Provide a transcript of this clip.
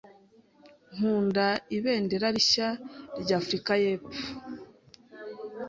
Nkunda ibendera rishya rya Afrika yepfo.